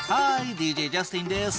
ＤＪジャスティンです。